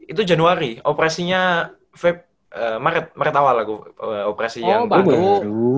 itu januari operasinya maret awal lagu operasi yang baru